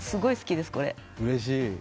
うれしい。